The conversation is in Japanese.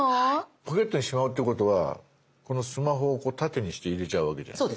ポケットにしまうってことはこのスマホを縦にして入れちゃうわけじゃないですか？